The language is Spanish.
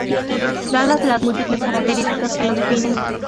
dadas las múltiples características que lo definen